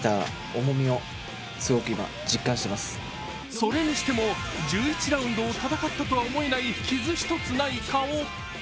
それにしても１１ラウンドを戦ったとは思えない傷一つない顔。